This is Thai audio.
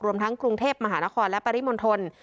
ทั้งกรุงเทพมหานครและปริมณฑล